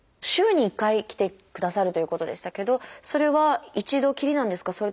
週に１回来てくださるということでしたけどそれは一度きりなんですか？